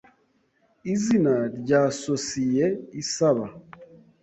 Izina rya sosiye isaba